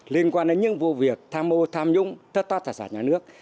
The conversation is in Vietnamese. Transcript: liên quan đến những vụ việc tham mô tham nhũng tất toát thả sản nhà nước